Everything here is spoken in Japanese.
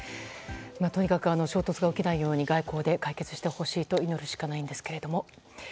とにかく衝突が起きないよう外交で解決してほしいと祈るしかないんですけど。